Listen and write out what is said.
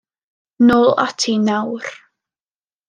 Nôl ati nawr.